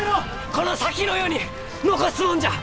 この先の世に残すもんじゃ！